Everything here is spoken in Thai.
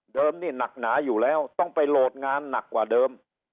นี่หนักหนาอยู่แล้วต้องไปโหลดงานหนักกว่าเดิม